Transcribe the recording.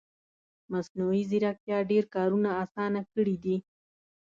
مصنوعي ځیرکتیا ډېر کارونه اسانه کړي دي